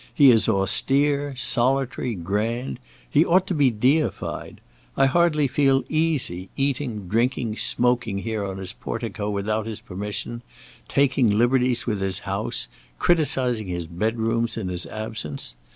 He is austere, solitary, grand; he ought to be deified. I hardly feel easy, eating, drinking, smoking here on his portico without his permission, taking liberties with his house, criticising his bedrooms in his absence.